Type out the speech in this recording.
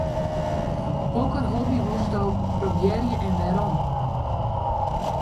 Hokker hobby wolst probearje en wêrom?